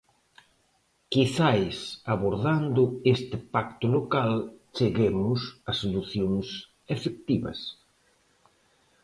Quizais abordando este Pacto Local cheguemos a solucións efectivas.